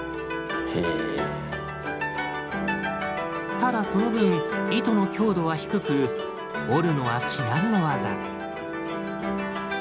ただその分糸の強度は低く織るのは至難の業。